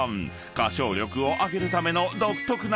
［歌唱力を上げるための］